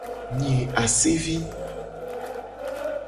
Nyi asevi.